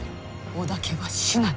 織田家は死なぬ。